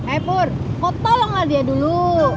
eh pur kok tolong lah dia dulu